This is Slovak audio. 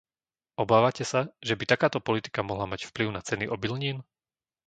Obávate sa, že by takáto politika mohla mať vplyv na ceny obilnín?